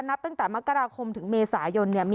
นับตั้งแต่มกราคมถึงเมษายน